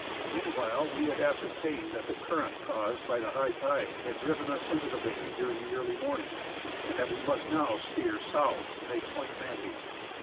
Meanwhile we had ascertained that the current caused by the high tide had driven us into the bay during the early morning, and that we must now steer south to make Point Manby.